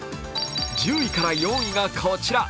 １０位から４位がこちら。